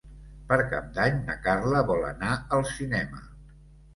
Per Cap d'Any na Carla vol anar al cinema.